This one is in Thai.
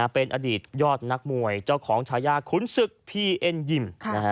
เป็นอดีตยอดนักมวยเจ้าของชายาขุนศึกพีเอ็นยิม